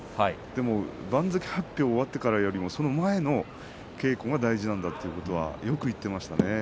でも番付発表を割ってからよりもその前の稽古が大事なんだということはよく言っていましたね。